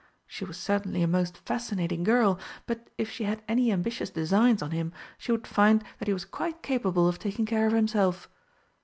She was certainly a most fascinating girl, but if she had any ambitious designs on him, she would find that he was quite capable of taking care of himself.